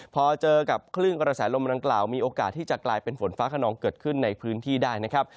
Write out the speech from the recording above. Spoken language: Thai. พอเจอกับคลื่นกระแสลมดังกล่าวมีโอกาสที่จะกลายเป็นฝนฟ้าขนองเกิดขึ้นในพื้นที่ได้นะครับ